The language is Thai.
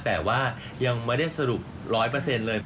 แต่ว่ายังไม่ได้สรุปร้อยเปอร์เซ็นต์เลย